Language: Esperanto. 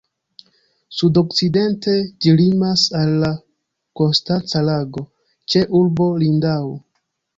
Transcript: Sud-okcidente ĝi limas al la Konstanca Lago, ĉe urbo Lindau.